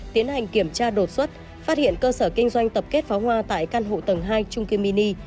tiến hành kiểm tra đột xuất phát hiện cơ sở kinh doanh tập kết pháo hoa tại căn hộ tầng hai trung cư mini